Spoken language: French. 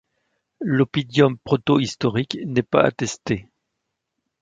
L'oppidum protohistorique n'est pas attesté.